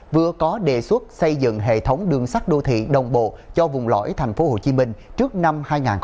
vừa có đề xuất xây dựng hệ thống đường sắt đô thị đồng bộ cho vùng lõi tp hcm trước năm hai nghìn hai mươi